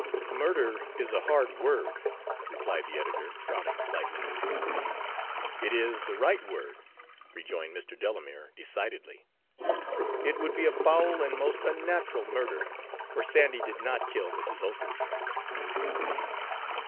"'Murder' is a hard word," replied the editor, frowning slightly. "It is the right word," rejoined Mr. Delamere, decidedly. "It would be a foul and most unnatural murder, for Sandy did not kill Mrs. Ochiltree."